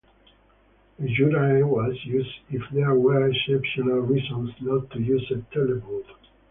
A jury was used if there were exceptional reasons not to use a televote.